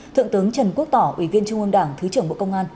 thượng tướng trần quốc tỏ ủy viên trung ương đảng thứ trưởng bộ công an